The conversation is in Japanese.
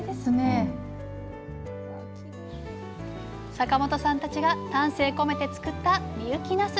坂本さんたちが丹精込めて作った深雪なす。